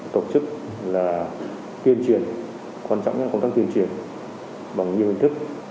tổ chức tuyên truyền quan trọng là công tác tuyên truyền bằng nhiều hình thức